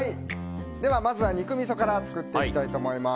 まずは肉みそから作っていきたいと思います。